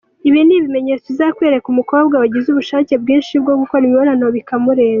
Ibi ni ibimenyetso bizakwereka umukobwa wagize ubushake bwinshi bwo gukora imibonano bikamurenga:.